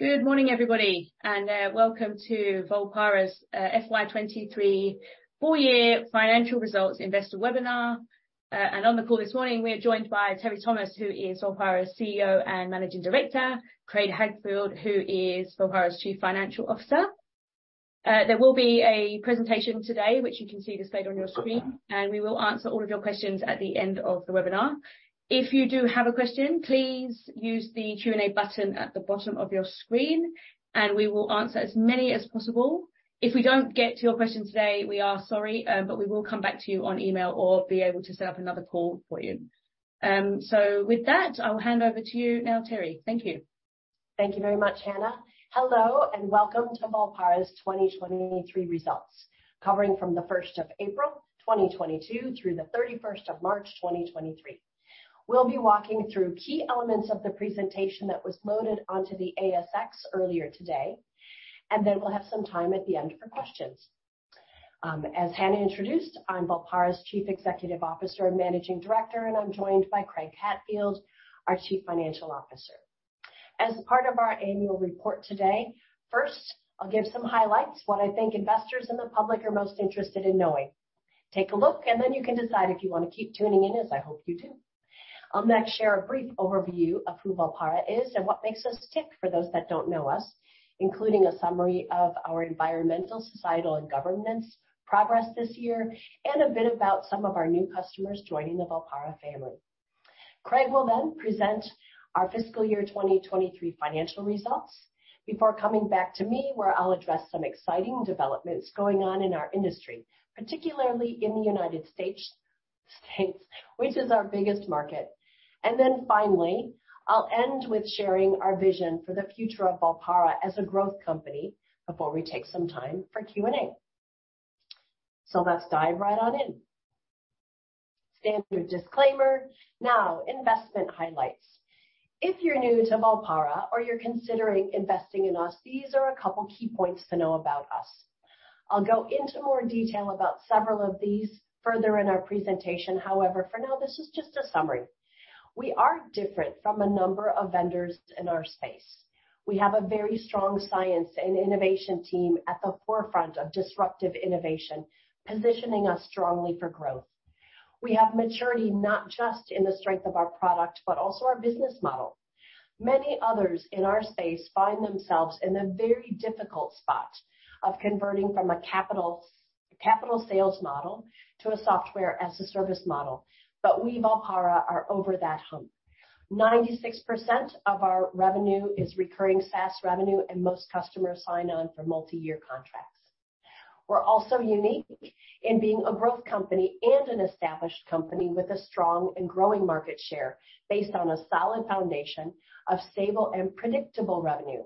Good morning, everybody, and welcome to Volpara's FY 2023 full year financial results investor webinar. On the call this morning, we are joined by Teri Thomas, who is Volpara's CEO and Managing Director, Craig Hadfield, who is Volpara's Chief Financial Officer. There will be a presentation today, which you can see displayed on your screen, and we will answer all of your questions at the end of the webinar. If you do have a question, please use the Q&A button at the bottom of your screen, and we will answer as many as possible. If we don't get to your question today, we are sorry, but we will come back to you on email or be able to set up another call for you. With that, I'll hand over to you now, Teri. Thank you. Thank you very much, Hannah. Hello, and welcome to Volpara's 2023 results, covering from the 1st of April, 2022 through the 31st of March, 2023. We'll be walking through key elements of the presentation that was loaded onto the ASX earlier today, and then we'll have some time at the end for questions. As Hannah introduced, I'm Volpara's Chief Executive Officer and Managing Director, and I'm joined by Craig Hadfield, our Chief Financial Officer. As a part of our annual report today, first, I'll give some highlights, what I think investors and the public are most interested in knowing. Take a look, and then you can decide if you want to keep tuning in, as I hope you do. I'll next share a brief overview of who Volpara is and what makes us tick for those that don't know us, including a summary of our environmental, societal, and governance progress this year, and a bit about some of our new customers joining the Volpara family. Craig will then present our fiscal year 2023 financial results before coming back to me, where I'll address some exciting developments going on in our industry, particularly in the United States, which is our biggest market. Finally, I'll end with sharing our vision for the future of Volpara as a growth company before we take some time for Q&A. Let's dive right on in. Standard disclaimer. Now, investment highlights. If you're new to Volpara or you're considering investing in us, these are a couple key points to know about us. I'll go into more detail about several of these further in our presentation. For now, this is just a summary. We are different from a number of vendors in our space. We have a very strong science and innovation team at the forefront of disruptive innovation, positioning us strongly for growth. We have maturity not just in the strength of our product, but also our business model. Many others in our space find themselves in a very difficult spot of converting from a capital sales model to a software as a service model, but we Volpara are over that hump. 96% of our revenue is recurring SaaS revenue, and most customers sign on for multi-year contracts. We're also unique in being a growth company and an established company with a strong and growing market share based on a solid foundation of stable and predictable revenue.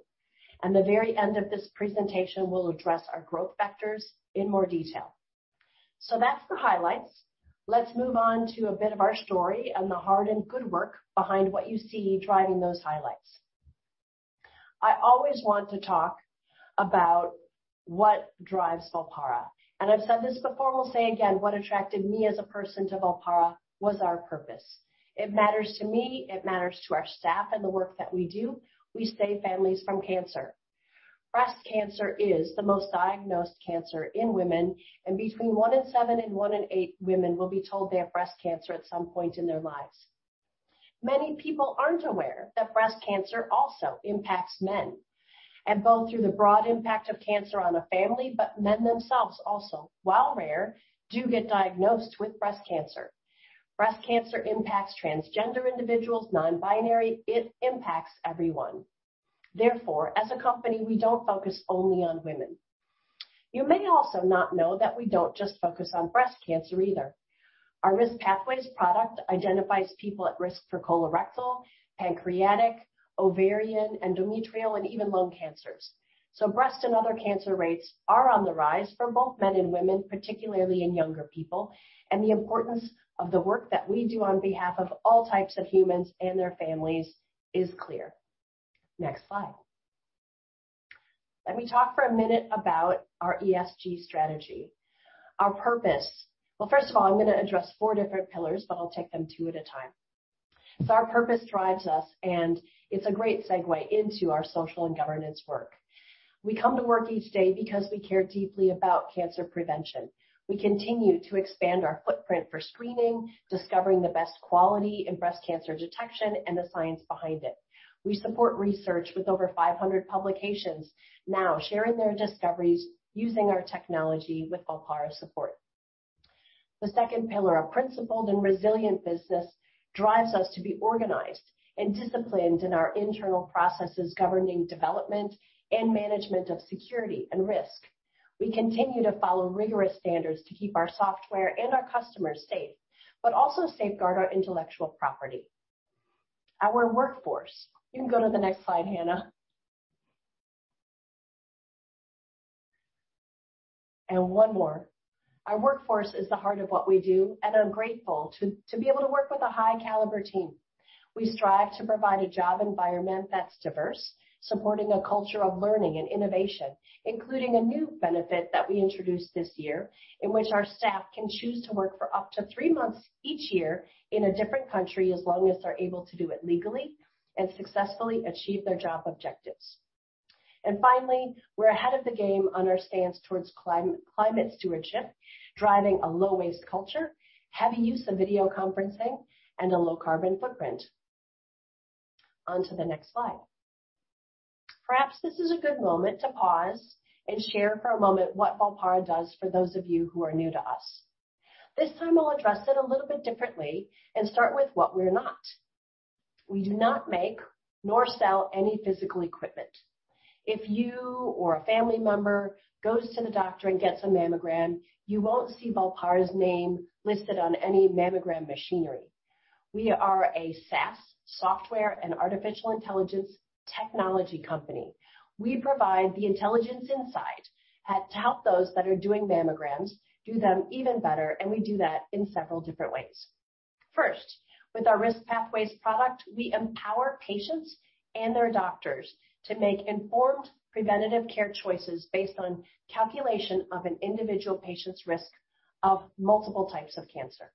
At the very end of this presentation, we'll address our growth vectors in more detail. That's the highlights. Let's move on to a bit of our story and the hard and good work behind what you see driving those highlights. I always want to talk about what drives Volpara, and I've said this before, we'll say again, what attracted me as a person to Volpara was our purpose. It matters to me, it matters to our staff and the work that we do. We save families from cancer. Breast cancer is the most diagnosed cancer in women, and between one in seven and one in eight women will be told they have breast cancer at some point in their lives. Many people aren't aware that breast cancer also impacts men, both through the broad impact of cancer on a family, men themselves also, while rare, do get diagnosed with breast cancer. Breast cancer impacts transgender individuals, non-binary, it impacts everyone. Therefore, as a company, we don't focus only on women. You may also not know that we don't just focus on breast cancer either. Our Risk Pathways product identifies people at risk for colorectal, pancreatic, ovarian, endometrial, and even lung cancers. Breast and other cancer rates are on the rise for both men and women, particularly in younger people, the importance of the work that we do on behalf of all types of humans and their families is clear. Next slide. Let me talk for a minute about our ESG strategy. Our purpose. First of all, I'm gonna address four different pillars, but I'll take them two at a time. Our purpose drives us, and it's a great segue into our social and governance work. We come to work each day because we care deeply about cancer prevention. We continue to expand our footprint for screening, discovering the best quality in breast cancer detection, and the science behind it. We support research with over 500 publications now sharing their discoveries using our technology with Volpara support. The second pillar, a principled and resilient business, drives us to be organized and disciplined in our internal processes governing development and management of security and risk. We continue to follow rigorous standards to keep our software and our customers safe, but also safeguard our intellectual property. Our workforce. You can go to the next slide, Hannah. One more. Our workforce is the heart of what we do, and I'm grateful to be able to work with a high caliber team. We strive to provide a job environment that's diverse, supporting a culture of learning and innovation, including a new benefit that we introduced this year, in which our staff can choose to work for up to three months each year in a different country as long as they're able to do it legally and successfully achieve their job objectives. Finally, we're ahead of the game on our stance towards climate stewardship, driving a low waste culture, heavy use of video conferencing, and a low carbon footprint. On to the next slide. Perhaps this is a good moment to pause and share for a moment what Volpara does for those of you who are new to us. This time, I'll address it a little bit differently and start with what we're not. We do not make nor sell any physical equipment. If you or a family member goes to the doctor and gets a mammogram, you won't see Volpara's name listed on any mammogram machinery. We are a SaaS software and artificial intelligence technology company. We provide the intelligence insight to help those that are doing mammograms do them even better. We do that in several different ways. First, with our Risk Pathways product, we empower patients and their doctors to make informed preventative care choices based on calculation of an individual patient's risk of multiple types of cancer.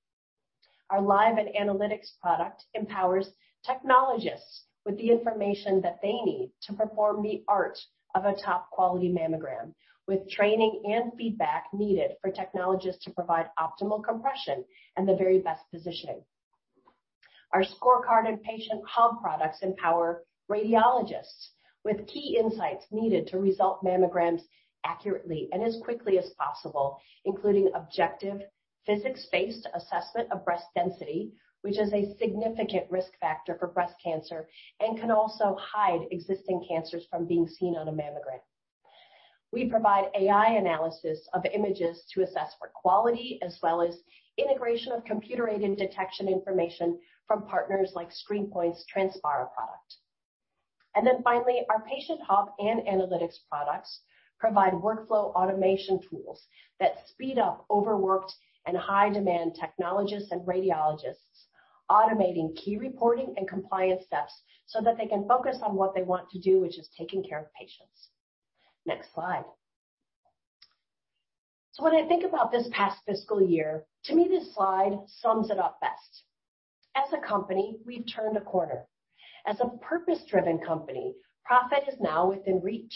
Our Live and Analytics product empowers technologists with the information that they need to perform the art of a top-quality mammogram, with training and feedback needed for technologists to provide optimal compression and the very best positioning. Our Scorecard and Patient Hub products empower radiologists with key insights needed to result mammograms accurately and as quickly as possible, including objective physics-based assessment of breast density, which is a significant risk factor for breast cancer and can also hide existing cancers from being seen on a mammogram. We provide AI analysis of images to assess for quality, as well as integration of computer-aided detection information from partners like ScreenPoint's Transpara product. Finally, our Patient Hub and Analytics products provide workflow automation tools that speed up overworked and high demand technologists and radiologists, automating key reporting and compliance steps so that they can focus on what they want to do, which is taking care of patients. Next slide. When I think about this past fiscal year, to me, this slide sums it up best. As a company, we've turned a corner. As a purpose-driven company, profit is now within reach.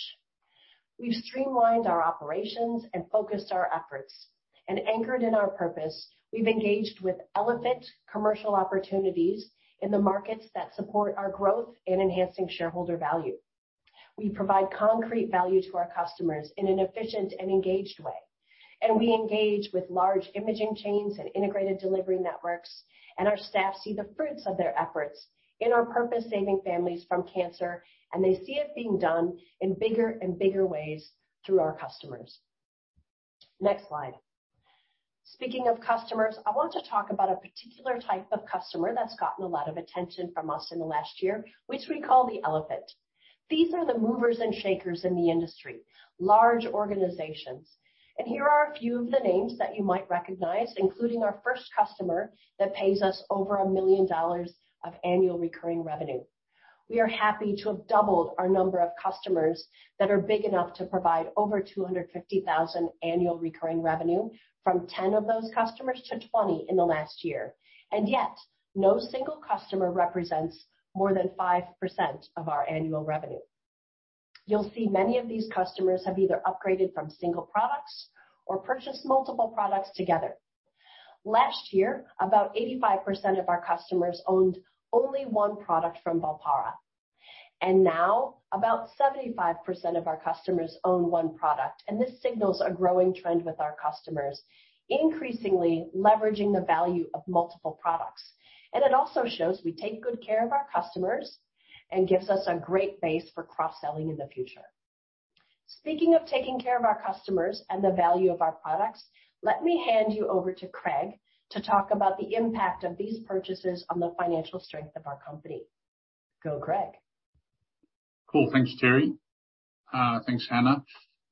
We've streamlined our operations and focused our efforts. Anchored in our purpose, we've engaged with elephant commercial opportunities in the markets that support our growth in enhancing shareholder value. We provide concrete value to our customers in an efficient and engaged way, and we engage with large imaging chains and integrated delivery networks. Our staff see the fruits of their efforts in our purpose, saving families from cancer, and they see it being done in bigger and bigger ways through our customers. Next slide. Speaking of customers, I want to talk about a particular type of customer that's gotten a lot of attention from us in the last year, which we call the elephant. These are the movers and shakers in the industry, large organizations. Here are a few of the names that you might recognize, including our first customer that pays us over $1 million of annual recurring revenue. We are happy to have doubled our number of customers that are big enough to provide over $250,000 annual recurring revenue from 10 of those customers to 20 in the last year. Yet, no single customer represents more than 5% of our annual revenue. You'll see many of these customers have either upgraded from single products or purchased multiple products together. Last year, about 85% of our customers owned only one product from Volpara, and now about 75% of our customers own one product. This signals a growing trend with our customers, increasingly leveraging the value of multiple products. It also shows we take good care of our customers and gives us a great base for cross-selling in the future. Speaking of taking care of our customers and the value of our products, let me hand you over to Craig to talk about the impact of these purchases on the financial strength of our company. Go, Craig. Cool. Thanks, Teri. Thanks, Hannah.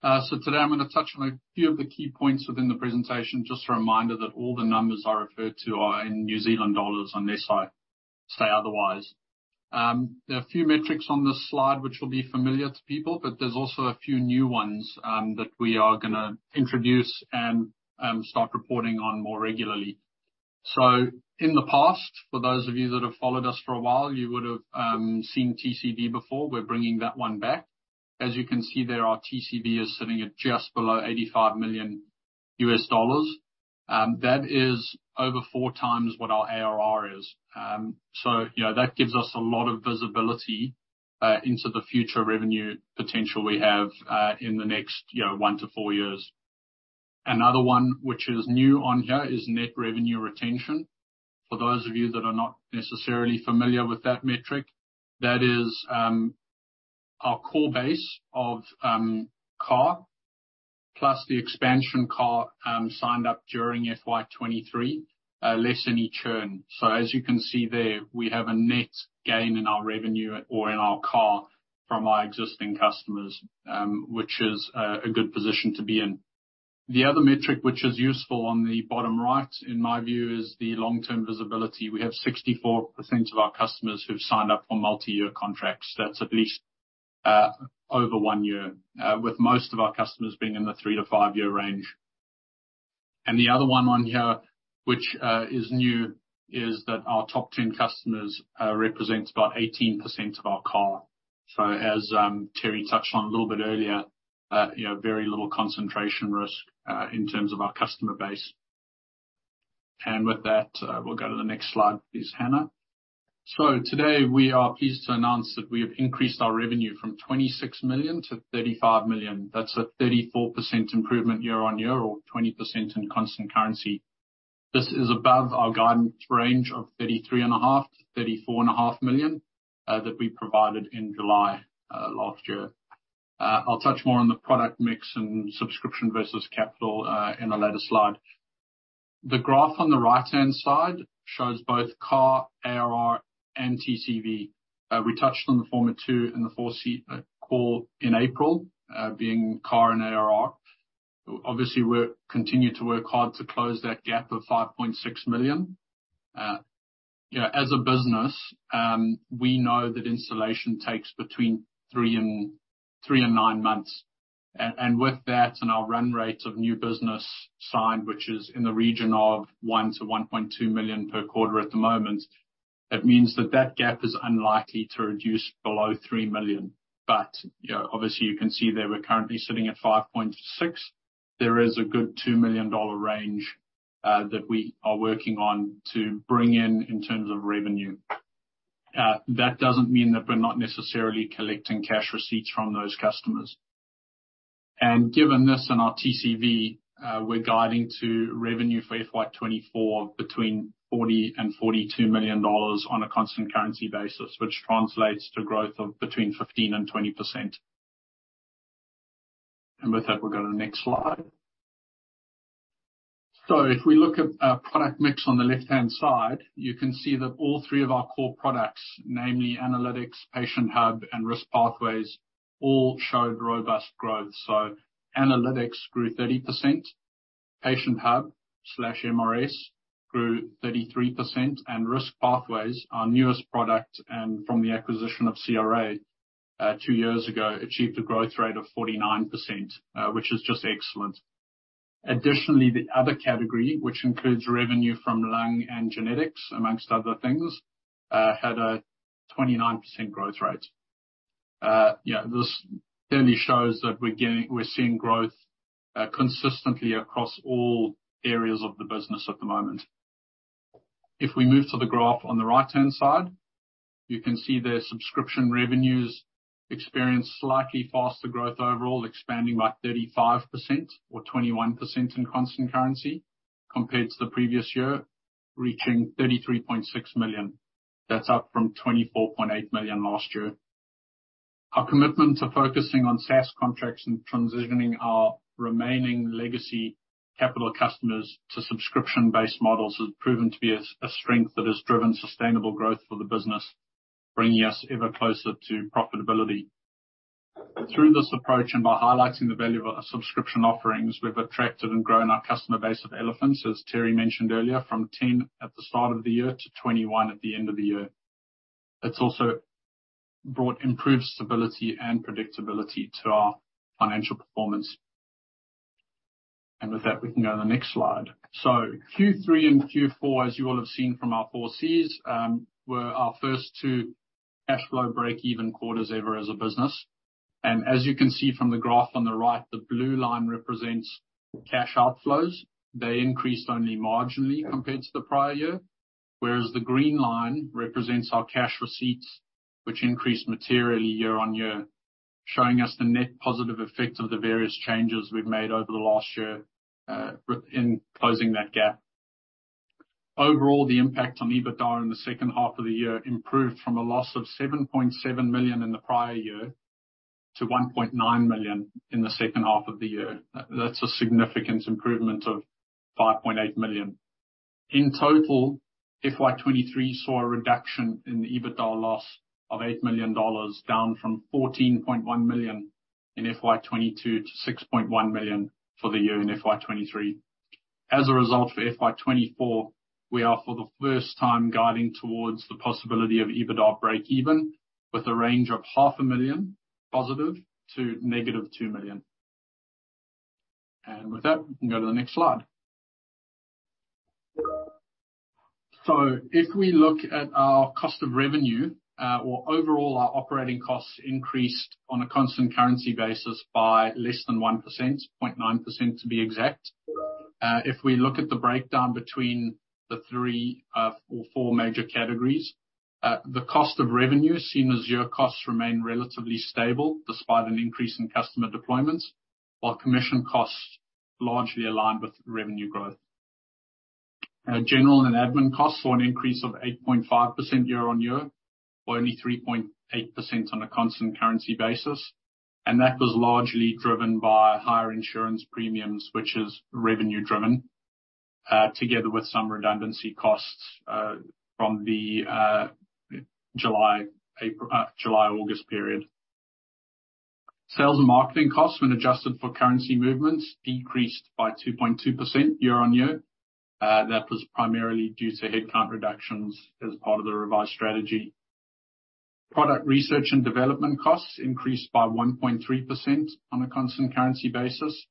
Today I'm gonna touch on a few of the key points within the presentation. Just a reminder that all the numbers I refer to are in New Zealand dollars unless I say otherwise. There are a few metrics on this slide which will be familiar to people, but there's also a few new ones that we are gonna introduce and start reporting on more regularly. In the past, for those of you that have followed us for a while, you would've seen TCV before. We're bringing that one back. As you can see there, our TCV is sitting at just below $85 million. That is over four times what our ARR is. You know, that gives us a lot of visibility into the future revenue potential we have in the next, you know, one to four years. Another one which is new on here is net revenue retention. For those of you that are not necessarily familiar with that metric, that is our core base of CAR plus the expansion CAR signed up during FY 2023 less any churn. As you can see there, we have a net gain in our revenue or in our CAR from our existing customers, which is a good position to be in. The other metric which is useful on the bottom right, in my view, is the long-term visibility. We have 64% of our customers who've signed up for multi-year contracts. That's at least over one year, with most of our customers being in the three- to five-year range. The other one on here, which is new, is that our top 10 customers represent about 18% of our CAR. As Teri touched on a little bit earlier, you know, very little concentration risk in terms of our customer base. With that, we'll go to the next slide, please, Hannah. Today we are pleased to announce that we have increased our revenue from 26 million to 35 million. That's a 34% improvement year-on-year, or 20% in constant currency. This is above our guidance range of 33.50 million-34.50 million that we provided in July last year. I'll touch more on the product mix and subscription versus capital in a later slide. The graph on the right-hand side shows both CAR, ARR, and TCV. We touched on the former two in the 4C call in April, being CAR and ARR. Obviously, we're continue to work hard to close that gap of 5.6 million. You know, as a business, we know that installation takes between three and nine months. And with that and our run rate of new business signed, which is in the region of 1 million-1.2 million per quarter at the moment, it means that that gap is unlikely to reduce below 3 million. You know, obviously you can see there we're currently sitting at 5.6 million. There is a good 2 million dollar range that we are working on to bring in in terms of revenue. Given this and our TCV, we're guiding to revenue for FY 2024 between 40 million and 42 million dollars on a constant currency basis, which translates to growth of between 15% and 20%. With that, we'll go to the next slide. If we look at our product mix on the left-hand side, you can see that all three of our core products, namely Analytics, Patient Hub and Risk Pathways, all showed robust growth. Analytics grew 30%, Patient Hub/MRS grew 33%, and Risk Pathways, our newest product, and from the acquisition of CRA, two years ago, achieved a growth rate of 49%, which is just excellent. Additionally, the other category, which includes revenue from lung and genetics, amongst other things, had a 29% growth rate. You know, this clearly shows that we're seeing growth consistently across all areas of the business at the moment. If we move to the graph on the right-hand side, you can see there subscription revenues experienced slightly faster growth overall, expanding by 35% or 21% in constant currency compared to the previous year, reaching 33.6 million. That's up from 24.8 million last year. Our commitment to focusing on SaaS contracts and transitioning our remaining legacy capital customers to subscription-based models has proven to be a strength that has driven sustainable growth for the business, bringing us ever closer to profitability. Through this approach, and by highlighting the value of our subscription offerings, we've attracted and grown our customer base of elephants, as Teri mentioned earlier, from 10 at the start of the year to 21 at the end of the year. It's also brought improved stability and predictability to our financial performance. With that, we can go to the next slide. Q3 and Q4, as you will have seen from our 4Cs, were our first two cash flow break-even quarters ever as a business. As you can see from the graph on the right, the blue line represents cash outflows. They increased only marginally compared to the prior year, whereas the green line represents our cash receipts, which increased materially year-on-year, showing us the net positive effect of the various changes we've made over the last year, in closing that gap. Overall, the impact on EBITDA in the second half of the year improved from a loss of 7.7 million in the prior year to 1.9 million in the second half of the year. That's a significant improvement of 5.8 million. In total, FY 2023 saw a reduction in the EBITDA loss of 8 million dollars, down from 14.1 million in FY 2022 to 6.1 million for the year in FY 2023. As a result, for FY 2024, we are for the first time guiding towards the possibility of EBITDA break even with a range of +0.50 million to -2 million. With that, we can go to the next slide. If we look at our cost of revenue, or overall, our operating costs increased on a constant currency basis by less than 1%, 0.9% to be exact. If we look at the breakdown between the three, or four major categories, the cost of revenue, seen as your costs remain relatively stable despite an increase in customer deployments, while commission costs largely aligned with revenue growth. Our general and admin costs saw an increase of 8.5% year-on-year, or only 3.8% on a constant currency basis. That was largely driven by higher insurance premiums, which is revenue driven, together with some redundancy costs, from the July-August period. Sales and marketing costs when adjusted for currency movements decreased by 2.2% year-on-year. That was primarily due to headcount reductions as part of the revised strategy. Product research and development costs increased by 1.3% on a constant currency basis.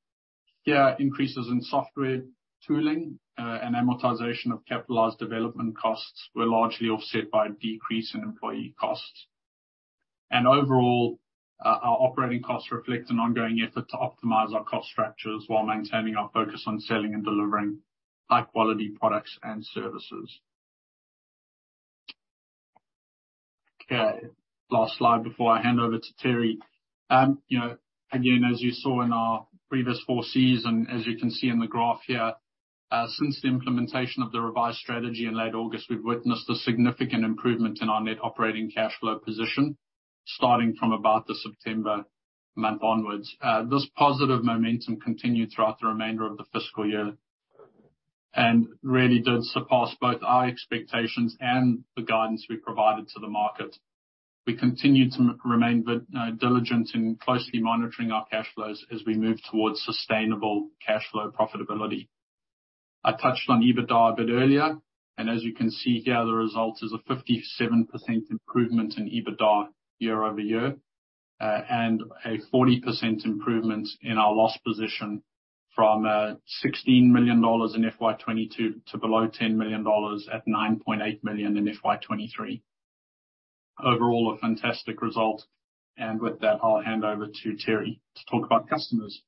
Here, increases in software tooling, and amortization of capitalized development costs were largely offset by a decrease in employee costs. Overall, our operating costs reflect an ongoing effort to optimize our cost structures while maintaining our focus on selling and delivering high quality products and services. Okay, last slide before I hand over to Teri. You know, again, as you saw in our previous 4Cs, and as you can see in the graph here, since the implementation of the revised strategy in late August, we've witnessed a significant improvement in our net operating cash flow position, starting from about the September month onwards. This positive momentum continued throughout the remainder of the fiscal year and really did surpass both our expectations and the guidance we provided to the market. We continued to remain diligent in closely monitoring our cash flows as we move towards sustainable cash flow profitability. I touched on EBITDA a bit earlier, as you can see here, the result is a 57% improvement in EBITDA year-over-year, and a 40% improvement in our loss position from 16 million dollars in FY 2022 to below 10 million dollars at 9.8 million in FY 2023. Overall, a fantastic result. With that, I'll hand over to Teri to talk about customers.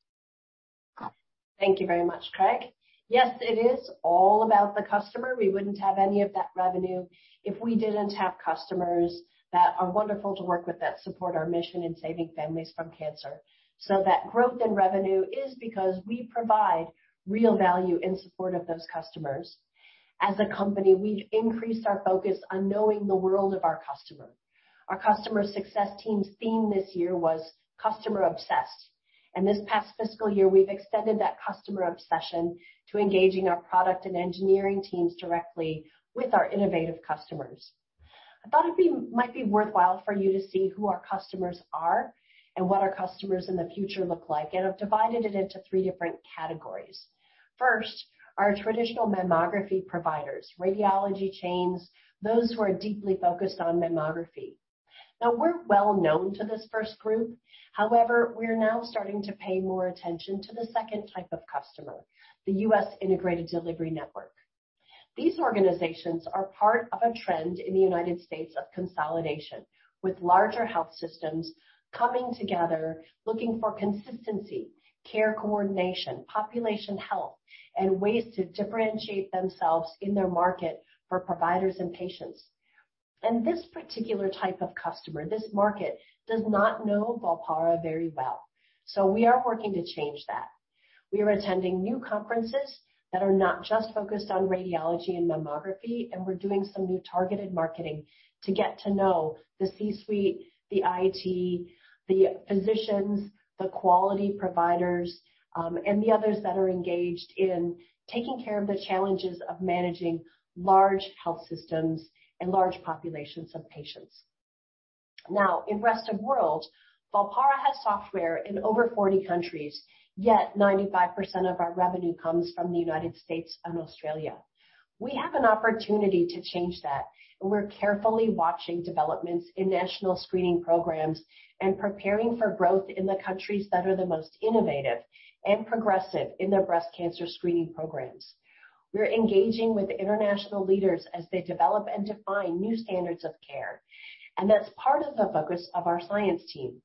Thank you very much, Craig. Yes, it is all about the customer. We wouldn't have any of that revenue if we didn't have customers that are wonderful to work with that support our mission in saving families from cancer. That growth in revenue is because we provide real value in support of those customers. As a company, we've increased our focus on knowing the world of our customer. Our customer success team's theme this year was customer obsessed. This past fiscal year, we've extended that customer obsession to engaging our product and engineering teams directly with our innovative customers. I thought might be worthwhile for you to see who our customers are and what our customers in the future look like, and I've divided it into three different categories. First, our traditional mammography providers, radiology chains, those who are deeply focused on mammography. Now we're well known to this first group. However, we are now starting to pay more attention to the second type of customer, the U.S. integrated delivery network. These organizations are part of a trend in the United States of consolidation, with larger health systems coming together, looking for consistency, care coordination, population health, and ways to differentiate themselves in their market for providers and patients. This particular type of customer, this market, does not know Volpara very well. We are working to change that. We are attending new conferences that are not just focused on radiology and mammography, and we're doing some new targeted marketing to get to know the C-suite, the IT, the physicians, the quality providers, and the others that are engaged in taking care of the challenges of managing large health systems and large populations of patients. In rest of world, Volpara has software in over 40 countries, yet 95% of our revenue comes from the U.S. and Australia. We have an opportunity to change that, we're carefully watching developments in national screening programs and preparing for growth in the countries that are the most innovative and progressive in their breast cancer screening programs. We're engaging with international leaders as they develop and define new standards of care, that's part of the focus of our science team.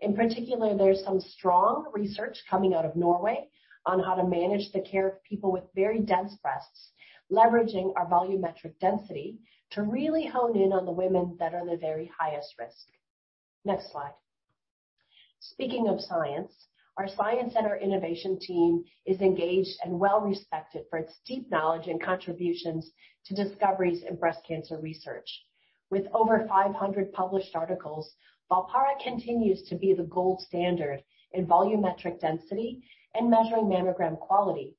In particular, there's some strong research coming out of Norway on how to manage the care of people with very dense breasts, leveraging our volumetric density to really hone in on the women that are the very highest risk. Next slide. Speaking of science, our science and our innovation team is engaged and well respected for its deep knowledge and contributions to discoveries in breast cancer research. With over 500 published articles, Volpara continues to be the gold standard in volumetric density and measuring mammogram quality.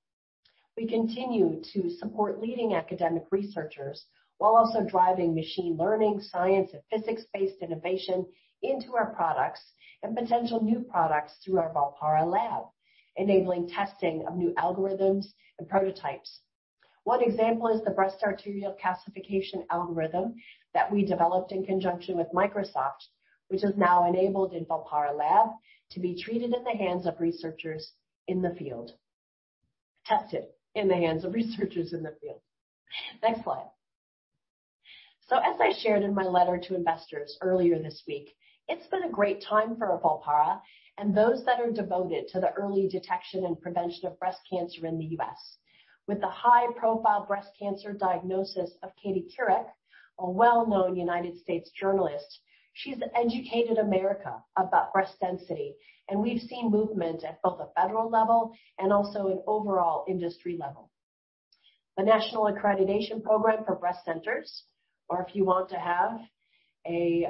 We continue to support leading academic researchers while also driving machine learning, science, and physics-based innovation into our products and potential new products through our Volpara Lab, enabling testing of new algorithms and prototypes. One example is the breast arterial calcification algorithm that we developed in conjunction with Microsoft, which is now enabled in Volpara Lab to be treated in the hands of researchers in the field. Tested in the hands of researchers in the field. Next slide. As I shared in my letter to investors earlier this week, it's been a great time for Volpara and those that are devoted to the early detection and prevention of breast cancer in the U.S. With the high-profile breast cancer diagnosis of Katie Couric, a well-known United States journalist, she's educated America about breast density, and we've seen movement at both a federal level and also an overall industry level. The National Accreditation Program for Breast Centers, or if you want to have a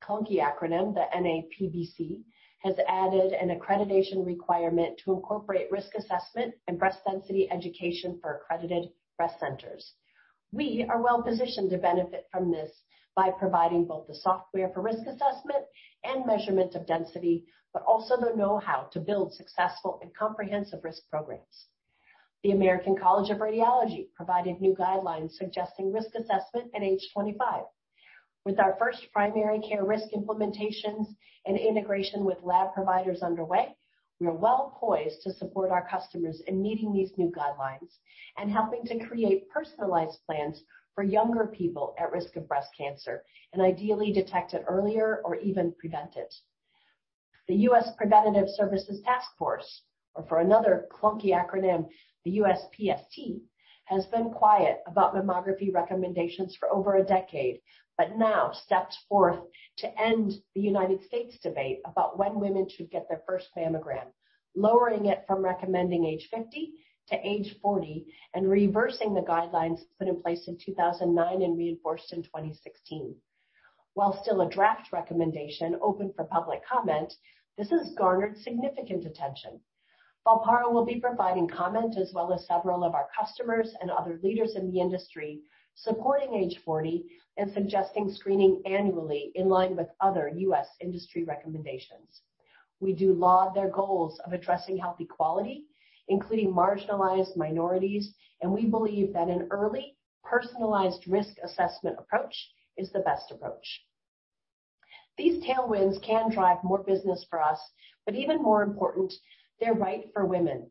clunky acronym, the NAPBC, has added an accreditation requirement to incorporate risk assessment and breast density education for accredited breast centers. We are well positioned to benefit from this by providing both the software for risk assessment and measurement of density, but also the know-how to build successful and comprehensive risk programs. The American College of Radiology provided new guidelines suggesting risk assessment at age 25. With our first primary care risk implementations and integration with lab providers underway, we are well poised to support our customers in meeting these new guidelines and helping to create personalized plans for younger people at risk of breast cancer and ideally detect it earlier or even prevent it. The U.S. Preventive Services Task Force, or for another clunky acronym, the USPSTF, has been quiet about mammography recommendations for over a decade, but now steps forth to end the United States debate about when women should get their first mammogram, lowering it from recommending age 50 to age 40 and reversing the guidelines put in place in 2009 and reinforced in 2016. While still a draft recommendation open for public comment, this has garnered significant attention. Volpara will be providing comment as well as several of our customers and other leaders in the industry supporting age 40 and suggesting screening annually in line with other U.S. industry recommendations. We do laud their goals of addressing health equality, including marginalized minorities, and we believe that an early personalized risk assessment approach is the best approach. These tailwinds can drive more business for us, but even more important, they're right for women.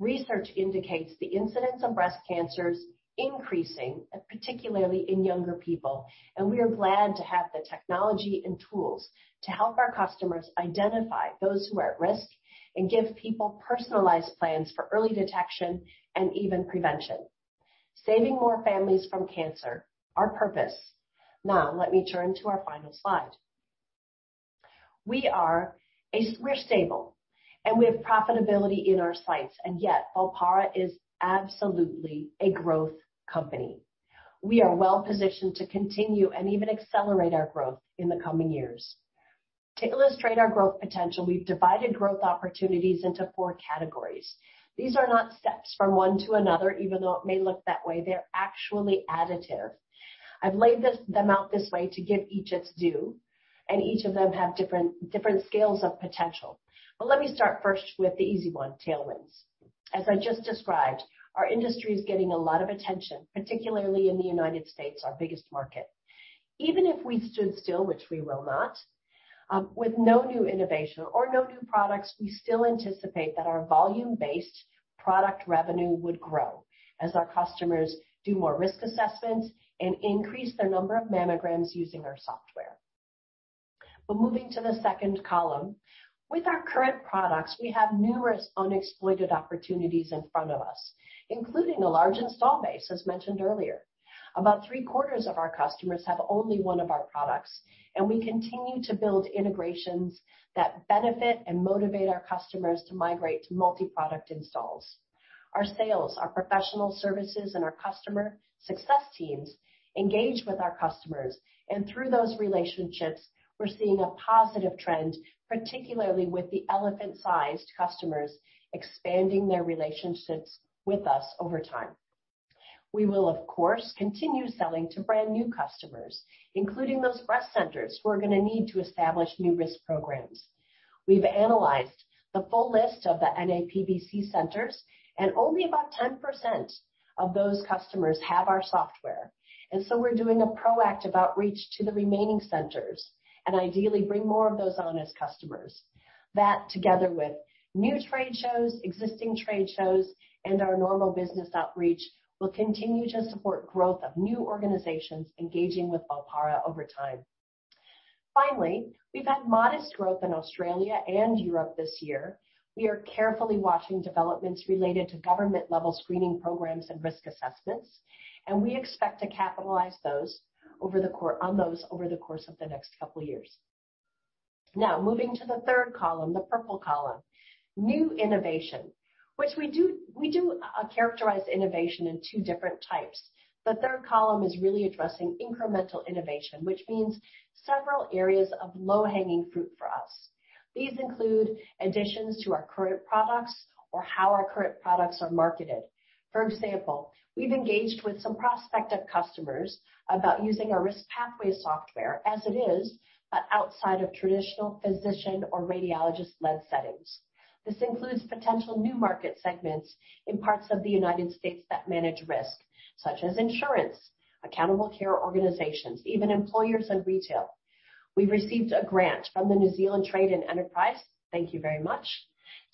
Research indicates the incidence of breast cancer is increasing, particularly in younger people, and we are glad to have the technology and tools to help our customers identify those who are at risk and give people personalized plans for early detection and even prevention. Saving more families from cancer, our purpose. Now, let me turn to our final slide. We're stable, and we have profitability in our sights, and yet Volpara is absolutely a growth company. We are well-positioned to continue and even accelerate our growth in the coming years. To illustrate our growth potential, we've divided growth opportunities into four categories. These are not steps from one to another, even though it may look that way. They're actually additive. I've laid them out this way to give each its due, and each of them have different scales of potential. Let me start first with the easy one, tailwinds. As I just described, our industry is getting a lot of attention, particularly in the United States, our biggest market. Even if we stood still, which we will not, with no new innovation or no new products, we still anticipate that our volume-based product revenue would grow as our customers do more risk assessments and increase the number of mammograms using our software. Moving to the second column, with our current products we have numerous unexploited opportunities in front of us, including a large install base, as mentioned earlier. About 3/4 of our customers have only one of our products, and we continue to build integrations that benefit and motivate our customers to migrate to multi-product installs. Our sales, our professional services, and our customer success teams engage with our customers, and through those relationships, we're seeing a positive trend, particularly with the elephant-sized customers expanding their relationships with us over time. We will, of course, continue selling to brand-new customers, including those breast centers who are gonna need to establish new risk programs. We've analyzed the full list of the NAPBC centers, and only about 10% of those customers have our software. We're doing a proactive outreach to the remaining centers and ideally bring more of those on as customers. That, together with new trade shows, existing trade shows, and our normal business outreach, will continue to support growth of new organizations engaging with Volpara over time. Finally, we've had modest growth in Australia and Europe this year. We are carefully watching developments related to government-level screening programs and risk assessments, and we expect to capitalize on those over the course of the next couple years. Moving to the third column, the purple column. New innovation, which we do characterize innovation in two different types. The third column is really addressing incremental innovation, which means several areas of low-hanging fruit for us. These include additions to our current products or how our current products are marketed. We've engaged with some prospective customers about using our Risk Pathways software as it is, but outside of traditional physician or radiologist-led settings. This includes potential new market segments in parts of the United States that manage risk, such as insurance, accountable care organizations, even employers and retail. We received a grant from the New Zealand Trade and Enterprise, thank you very much,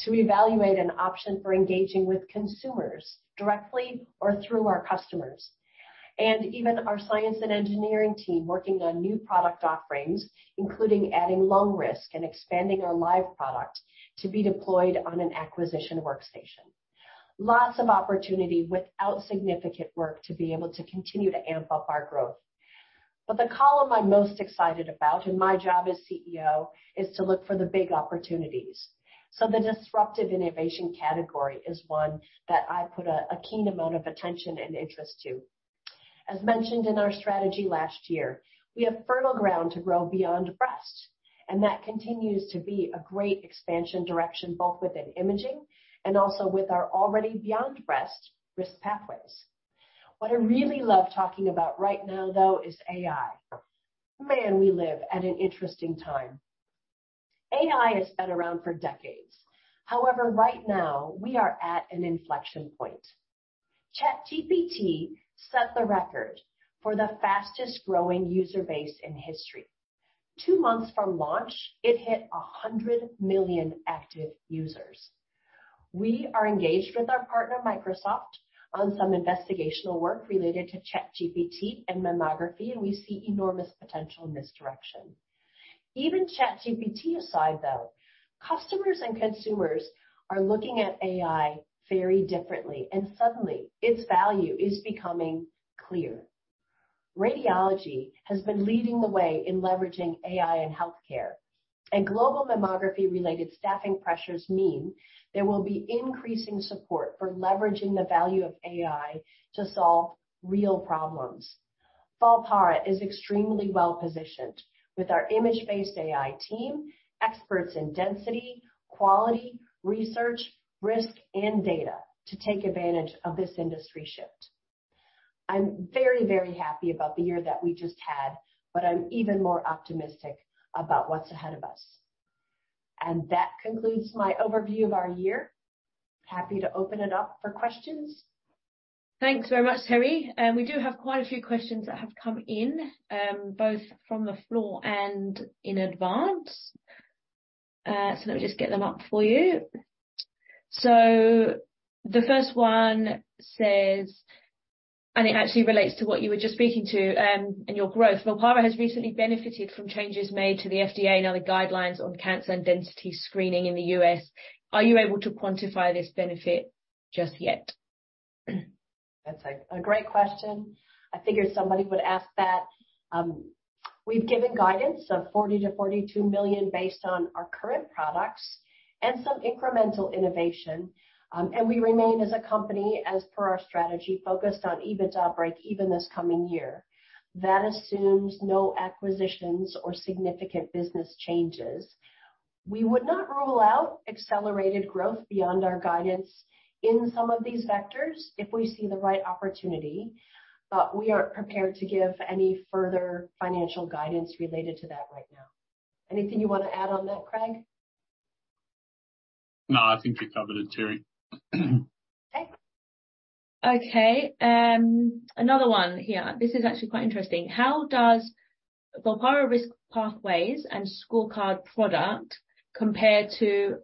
to evaluate an option for engaging with consumers directly or through our customers. Even our science and engineering team working on new product offerings, including adding lung risk and expanding our Live product to be deployed on an acquisition workstation. Lots of opportunity without significant work to be able to continue to amp up our growth. The column I'm most excited about in my job as CEO is to look for the big opportunities. The disruptive innovation category is one that I put a keen amount of attention and interest to. As mentioned in our strategy last year, we have fertile ground to grow beyond breast, and that continues to be a great expansion direction, both within imaging and also with our already beyond breast Risk Pathways. What I really love talking about right now, though, is AI. Man, we live at an interesting time. AI has been around for decades. Right now we are at an inflection point. ChatGPT set the record for the fastest-growing user base in history. Two months from launch, it hit 100 million active users. We are engaged with our partner, Microsoft, on some investigational work related to ChatGPT and mammography, and we see enormous potential in this direction. Even ChatGPT aside, though, customers and consumers are looking at AI very differently, and suddenly its value is becoming clear. Radiology has been leading the way in leveraging AI in healthcare, global mammography-related staffing pressures mean there will be increasing support for leveraging the value of AI to solve real problems. Volpara is extremely well-positioned with our image-based AI team, experts in density, quality, research, risk and data to take advantage of this industry shift. I'm very happy about the year that we just had, I'm even more optimistic about what's ahead of us. That concludes my overview of our year. Happy to open it up for questions. Thanks very much, Teri. We do have quite a few questions that have come in, both from the floor and in advance. Let me just get them up for you. The first one says, it actually relates to what you were just speaking to, in your growth. Volpara has recently benefited from changes made to the FDA and other guidelines on cancer and density screening in the U.S. Are you able to quantify this benefit just yet? That's a great question. I figured somebody would ask that. We've given guidance of 40 million-42 million based on our current products and some incremental innovation. We remain as a company, as per our strategy, focused on EBITDA break even this coming year. That assumes no acquisitions or significant business changes. We would not rule out accelerated growth beyond our guidance in some of these vectors if we see the right opportunity. We aren't prepared to give any further financial guidance related to that right now. Anything you wanna add on that, Craig? No, I think you covered it, Teri. Okay. Okay. Another one here. This is actually quite interesting. How does Volpara Risk Pathways and Scorecard product compare to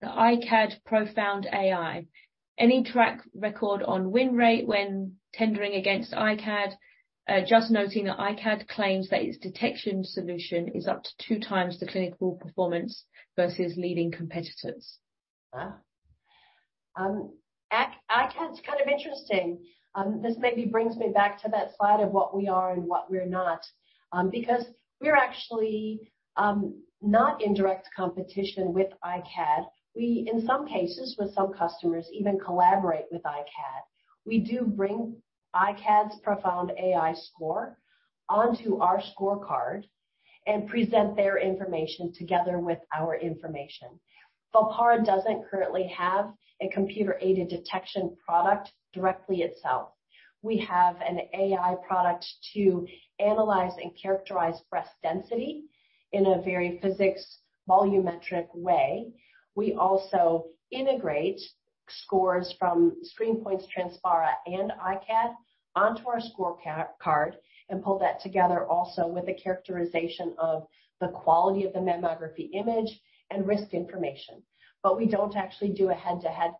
the iCAD ProFound AI? Any track record on win rate when tendering against iCAD? Just noting that iCAD claims that its detection solution is up to two times the clinical performance versus leading competitors. iCAD's kind of interesting. This maybe brings me back to that slide of what we are and what we're not, because we're actually not in direct competition with iCAD. We, in some cases, with some customers, even collaborate with iCAD. We do bring iCAD's ProFound AI score onto our Scorecard and present their information together with our information. Volpara doesn't currently have a computer-aided detection product directly itself. We have an AI product to analyze and characterize breast density in a very physics, volumetric way. We also integrate scores from ScreenPoint's Transpara and iCAD onto our Scorecard and pull that together also with a characterization of the quality of the mammography image and risk information. We don't actually do a head-to-head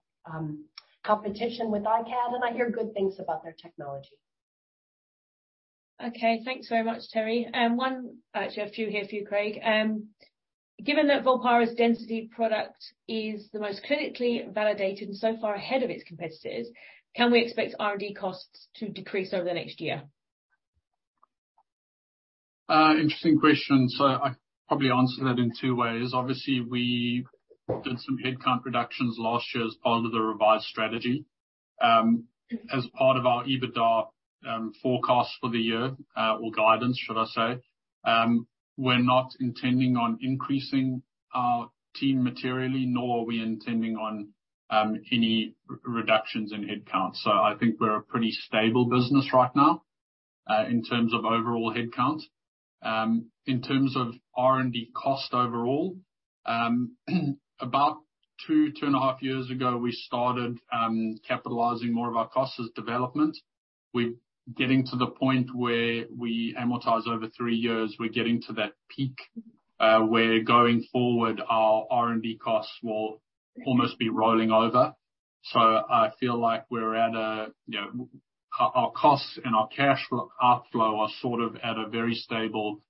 competition with iCAD, and I hear good things about their technology. Okay. Thanks very much, Teri. Actually, a few here for you, Craig. Given that Volpara's density product is the most clinically validated and so far ahead of its competitors, can we expect R&D costs to decrease over the next year? Interesting question. I'd probably answer that in two ways. Obviously, we did some headcount reductions last year as part of the revised strategy. As part of our EBITDA forecast for the year, or guidance, should I say, we're not intending on increasing our team materially, nor are we intending on any reductions in headcount. I think we're a pretty stable business right now, in terms of overall headcount. In terms of R&D cost overall, about 2.5 years ago, we started capitalizing more of our costs as development. We're getting to the point where we amortize over three years. We're getting to that peak, where going forward, our R&D costs will almost be rolling over. I feel like we're at a, you know, our costs and our cash outflow are sort of at a very stable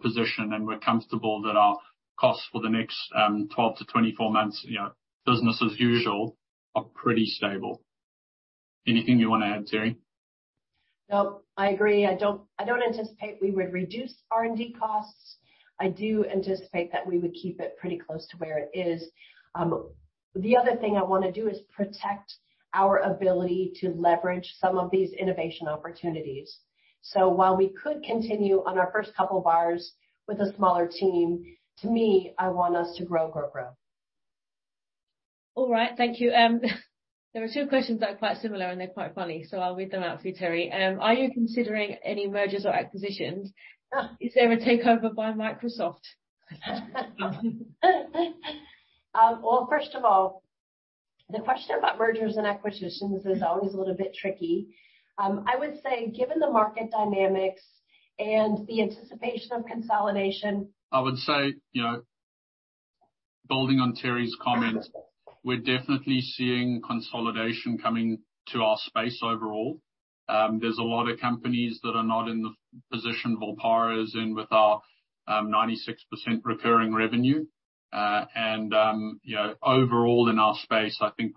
position, and we're comfortable that our costs for the next 12-24 months, you know, business as usual, are pretty stable. Anything you wanna add, Teri? No, I agree. I don't anticipate we would reduce R&D costs. I do anticipate that we would keep it pretty close to where it is. The other thing I wanna do is protect our ability to leverage some of these innovation opportunities. While we could continue on our first couple of bars with a smaller team, to me, I want us to grow, grow. All right. Thank you. There are two questions that are quite similar, and they're quite funny, so I'll read them out for you, Teri. Are you considering any mergers or acquisitions? Ah. Is there a takeover by Microsoft? First of all, the question about mergers and acquisitions is always a little bit tricky. I would say given the market dynamics and the anticipation of consolidation. I would say, you know, building on Teri's comment, we're definitely seeing consolidation coming to our space overall. There's a lot of companies that are not in the position Volpara is in with our 96% recurring revenue. You know, overall in our space, I think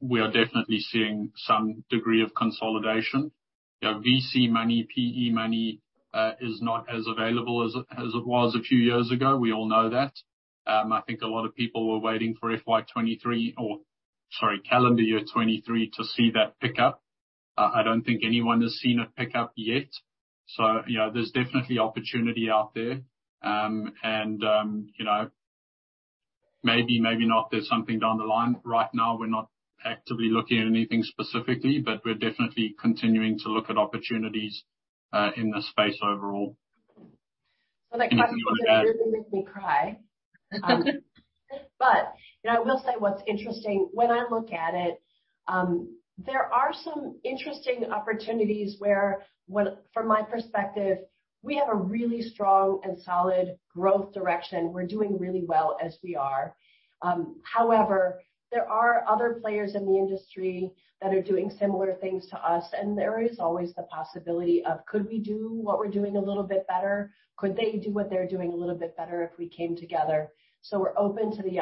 we are definitely seeing some degree of consolidation. You know, VC money, PE money is not as available as it was a few years ago. We all know that. I think a lot of people were waiting for FY 2023 or, sorry, calendar year 2023 to see that pick up. I don't think anyone has seen it pick up yet. You know, there's definitely opportunity out there. You know, maybe not, there's something down the line. Right now, we're not actively looking at anything specifically, but we're definitely continuing to look at opportunities in the space overall. That question wasn't gonna make me cry. You know, I will say what's interesting, when I look at it, there are some interesting opportunities where when, from my perspective, we have a really strong and solid growth direction. We're doing really well as we are. However, there are other players in the industry that are doing similar things to us, and there is always the possibility of could we do what we're doing a little bit better? Could they do what they're doing a little bit better if we came together? We're open to the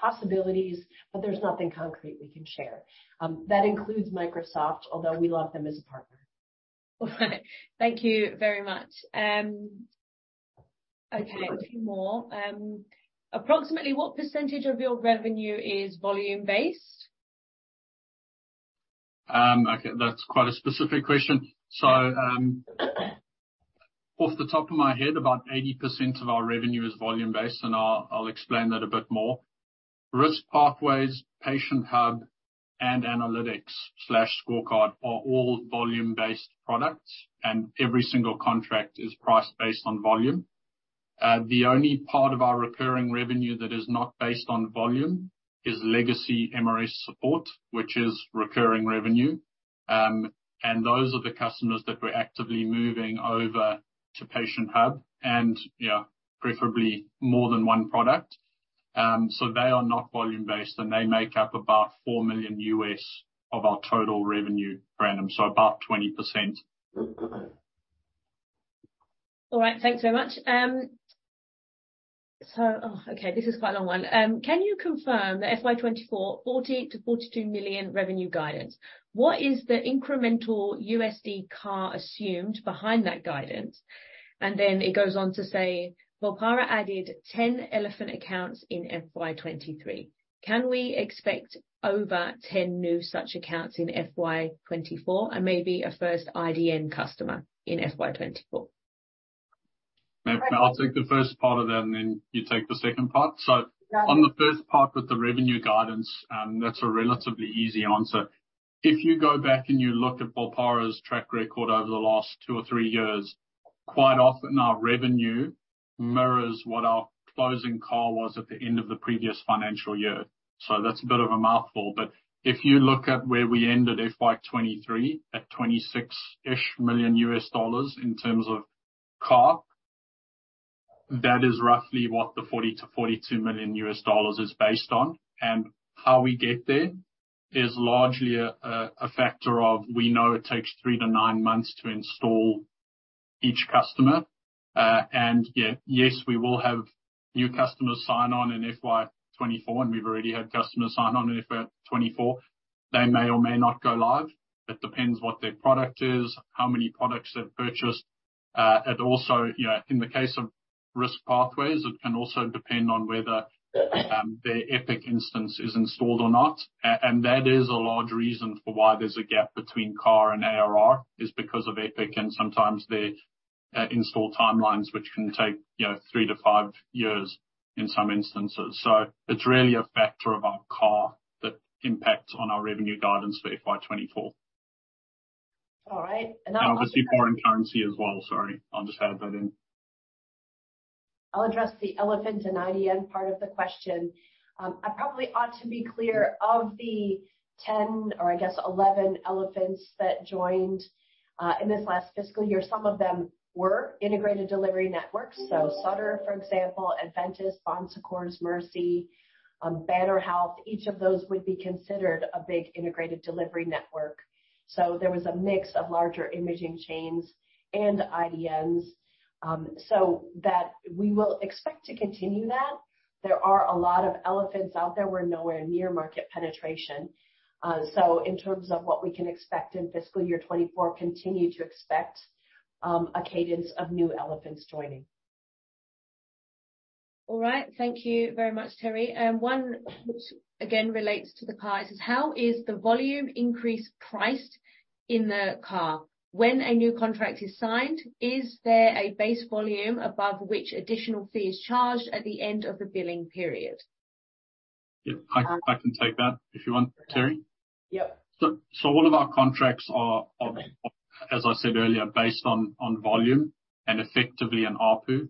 possibilities, but there's nothing concrete we can share. That includes Microsoft, although we love them as a partner. Thank you very much. Okay, a few more. Approximately what percentage of your revenue is volume-based? Okay, that's quite a specific question. Off the top of my head, about 80% of our revenue is volume-based, and I'll explain that a bit more. Risk Pathways, Patient Hub, and Analytics/Scorecard are all volume-based products, and every single contract is priced based on volume. The only part of our recurring revenue that is not based on volume is legacy MRS support, which is recurring revenue. Those are the customers that we're actively moving over to Patient Hub and, you know, preferably more than one product. They are not volume-based, and they make up about $4 million of our total revenue random, so about 20%. All right. Thanks very much. This is quite a long one. Can you confirm the FY 2024, 40 million-42 million revenue guidance? What is the incremental USD CAR assumed behind that guidance? It goes on to say, "Volpara added 10 elephant accounts in FY 2023. Can we expect over 10 new such accounts in FY 2024 and maybe a first IDN customer in FY 2024?" Ma'am, I'll take the first part of that, and then you take the second part. Right. On the first part with the revenue guidance, that's a relatively easy answer. If you go back and you look at Volpara's track record over the last two or three years, quite often our revenue mirrors what our closing CAR was at the end of the previous financial year. That's a bit of a mouthful. If you look at where we ended FY 2023 at $26-ish million in terms of CAR, that is roughly what the $40 million-$42 million is based on. How we get there is largely a factor of, we know it takes three to nine months to install each customer. Yes, we will have new customers sign on in FY 2024, and we've already had customers sign on in FY 2024. They may or may not go live. It depends what their product is, how many products they've purchased. It also, you know, in the case of Risk Pathways, it can also depend on whether their Epic instance is installed or not. That is a large reason for why there's a gap between CAR and ARR is because of Epic and sometimes their install timelines, which can take, you know, three to five years in some instances. It's really a factor of our CAR that impacts on our revenue guidance for FY 2024. All right. Obviously foreign currency as well. Sorry. I'll just add that in. I'll address the elephant and IDN part of the question. I probably ought to be clear, of the 10 or I guess 11 elephants that joined in this last fiscal year, some of them were integrated delivery networks. Sutter, for example, Adventist, Bon Secours Mercy, Banner Health, each of those would be considered a big integrated delivery network. That we will expect to continue that. There are a lot of elephants out there. We're nowhere near market penetration. In terms of what we can expect in fiscal year 2024, continue to expect a cadence of new elephants joining. All right. Thank you very much, Teri. One which again relates to the CAR. It says, "How is the volume increase priced in the CAR? When a new contract is signed, is there a base volume above which additional fee is charged at the end of the billing period?" Yeah, I can take that, if you want, Teri. Yeah. All of our contracts are, as I said earlier, based on volume and effectively an ARPU.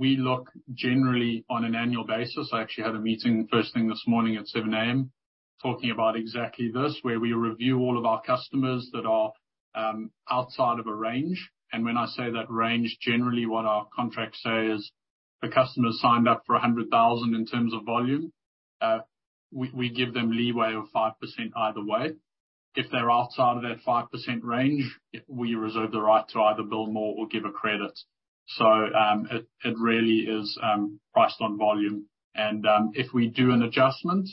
We look generally on an annual basis. I actually had a meeting first thing this morning at 7:00 A.M. talking about exactly this, where we review all of our customers that are outside of a range. When I say that range, generally what our contracts say is, a customer's signed up for 100,000 in terms of volume, we give them leeway of 5% either way. If they're outside of that 5% range, we reserve the right to either bill more or give a credit. It really is priced on volume. If we do an adjustment,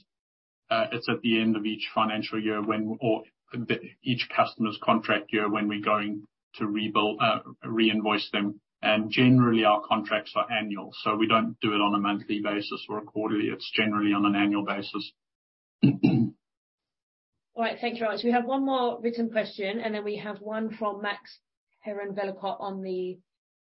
it's at the end of each financial year when or, each customer's contract year when we're going to reinvoice them. Generally, our contracts are annual. We don't do it on a monthly basis or a quarterly. It's generally on an annual basis. All right. Thank you very much. We have one more written question, and then we have one from [Max Heron-Vela on the,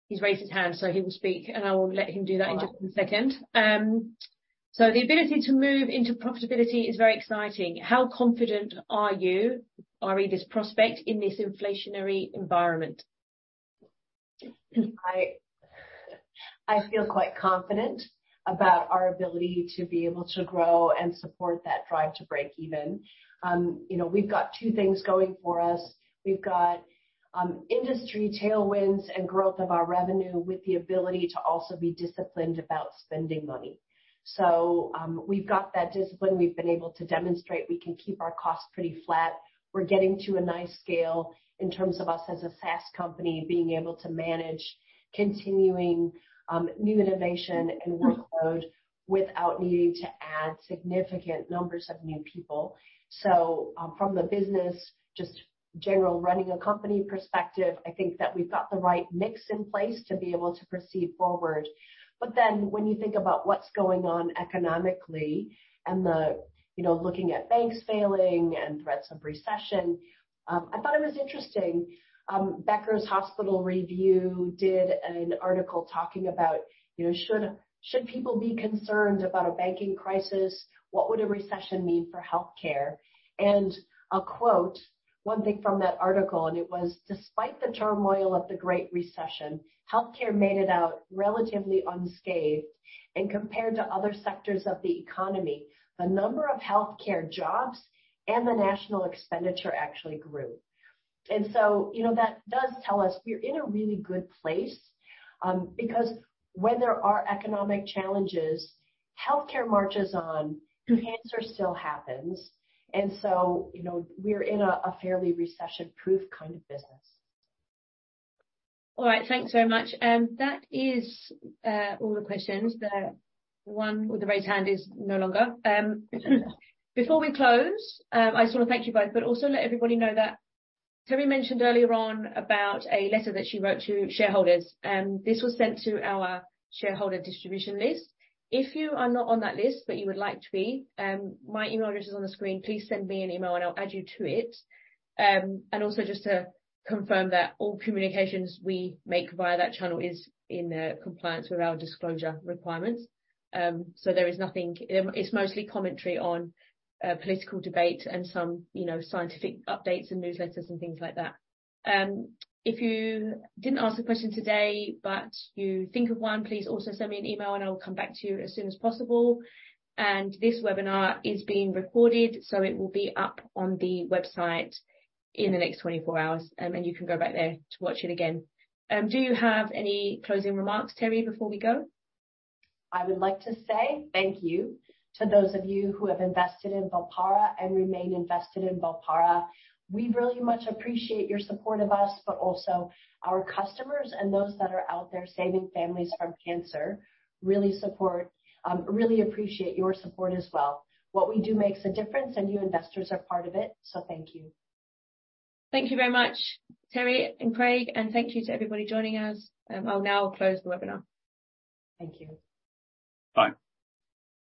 he's raised his hand, so he will speak, and I will let him do that in just a second. The ability to move into profitability is very exciting. How confident are you re this prospect in this inflationary environment? I feel quite confident about our ability to be able to grow and support that drive to break even. You know, we've got two things going for us. We've got industry tailwinds and growth of our revenue with the ability to also be disciplined about spending money. We've got that discipline. We've been able to demonstrate we can keep our costs pretty flat. We're getting to a nice scale in terms of us as a SaaS company being able to manage continuing new innovation and workload without needing to add significant numbers of new people. From the business, just general running a company perspective, I think that we've got the right mix in place to be able to proceed forward. When you think about what's going on economically and the, you know, looking at banks failing and threats of recession, I thought it was interesting, Becker's Hospital Review did an article talking about, you know, should people be concerned about a banking crisis? What would a recession mean for healthcare? I'll quote one thing from that article, and it was, "Despite the turmoil of the Great Recession, healthcare made it out relatively unscathed. Compared to other sectors of the economy, the number of healthcare jobs and the national expenditure actually grew." You know, that does tell us we're in a really good place, because when there are economic challenges, healthcare marches on. Cancer still happens. You know, we're in a fairly recession-proof kind of business. All right. Thanks very much. That is all the questions. The one with the raised hand is no longer. Before we close, I just wanna thank you both, but also let everybody know that Teri mentioned earlier on about a letter that she wrote to shareholders. This was sent to our shareholder distribution list. If you are not on that list, but you would like to be, my email address is on the screen. Please send me an email, and I'll add you to it. Just to confirm that all communications we make via that channel is in compliance with our disclosure requirements. There is nothing. It's mostly commentary on political debate and some, you know, scientific updates and newsletters and things like that. If you didn't ask a question today, but you think of one, please also send me an email, and I will come back to you as soon as possible. This webinar is being recorded, so it will be up on the website in the next 24 hours. You can go back there to watch it again. Do you have any closing remarks, Teri, before we go? I would like to say thank you to those of you who have invested in Volpara and remain invested in Volpara. We really much appreciate your support of us, but also our customers and those that are out there saving families from cancer really appreciate your support as well. What we do makes a difference. You investors are part of it. Thank you. Thank you very much, Teri and Craig. Thank you to everybody joining us. I'll now close the webinar. Thank you. Bye.